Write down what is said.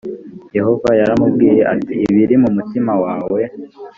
yehova yaramubwiye ati ibiri mu mutima wawe